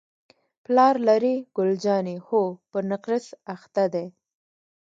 پلار لرې؟ ګل جانې: هو، په نقرس اخته دی.